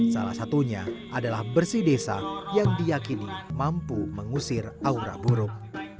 salah satunya adalah bersih desa yang diakini mampu mengusir aura buruk